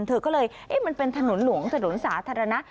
เธอก็เลยเอ๊ะมันเป็นถนนหลวงถนนสาธารณะ